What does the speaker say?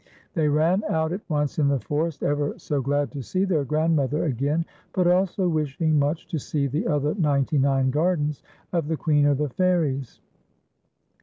They ran out at once in the forest, ever so FAIRIE AXD BROWME. 183 glad to see their grandmother again, but also wish ing much to see the other ninety nine gardens of tlie Queen of the Fairies.